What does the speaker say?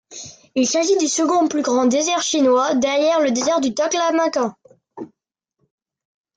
Il s’agit du second plus grand désert chinois, derrière le désert du Taklamakan.